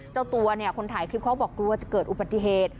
เจ้าตัวเนี่ยคนถ่ายคลิปเขาบอกกลัวจะเกิดอุบัติเหตุ